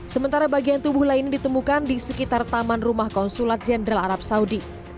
sebelumnya tubuh tubuh yang ditemukan di sekitar taman rumah konsulat jenderal arab saudi